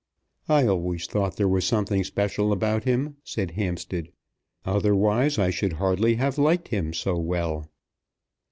"I always thought there was something special about him," said Hampstead; "otherwise I should hardly have liked him so well."